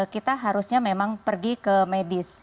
kita harusnya memang pergi ke medis